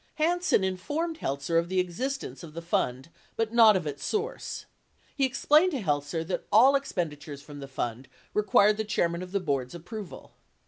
Hansen informed Heltzer of the existence of the fund but not of its source. He explained to Heltzer that all expenditures from the fund required the chairman of the board's approval.